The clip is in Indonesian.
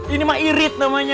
ini mah irit namanya